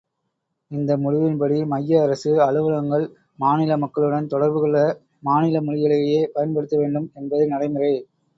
இந்த முடிவின்படி மைய அரசு அலுவலகங்கள் மாநில மக்களுடன் தொடர்புகொள்ள மாநில மொழிகளையே பயன்படுத்த வேண்டும் என்பது நடைமுறை!